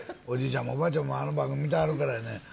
おじいちゃんもおばあちゃんもあの番組見てはるからやね